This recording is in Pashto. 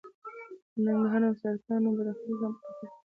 د نهنګانو او شارکانو برخلیک هم په خطر کې دی.